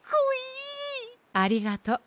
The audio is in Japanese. ありがとう。